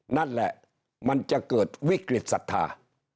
นั่นแหละมันจะเกิดวิกฤตศรัทธา